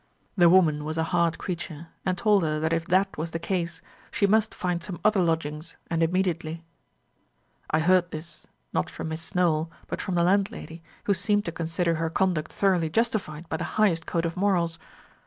The woman was a hard creature, and told her that if that was the case, she must find some other lodgings, and immediately. I heard this, not from Mrs. Nowell, but from the landlady, who seemed to consider her conduct thoroughly justified by the highest code of morals.